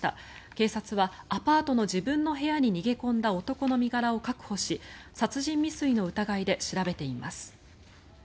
警察はアパートの自分の部屋に逃げ込んだ男の身柄を確保し殺人未遂の疑いで調べています。